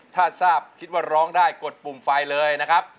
ถ้าทราบคิดว่าร้องได้กดปุ่มไฟเลยนะครับ